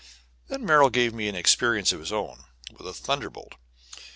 Then Merrill gave an experience of his own with a thunderbolt.